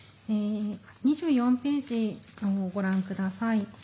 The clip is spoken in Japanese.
２４ページをご覧ください。